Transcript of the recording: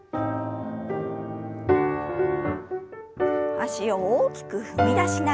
脚を大きく踏み出しながら。